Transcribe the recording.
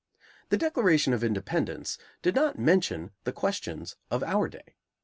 The Declaration of Independence did not mention the questions of our day.